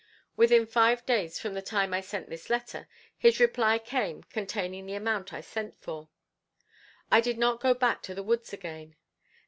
Within five days from the time I sent the letter his reply came containing the amount I sent for. I did not go back to the woods again.